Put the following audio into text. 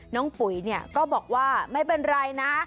ปุ๋ยเนี่ยก็บอกว่าไม่เป็นไรนะ